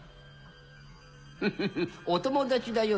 フフお友達だよ